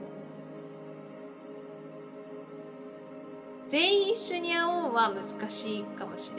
結局「全員一緒に会おう」は難しいかもしれない。